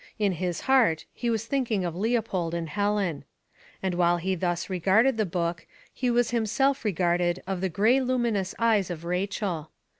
In his heart he was thinking of Leopold and Helen. And while he thus regarded the book, he was himself regarded of the gray luminous eyes of Rachel.